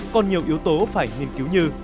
còn nhiều yếu tố phải nghiên cứu như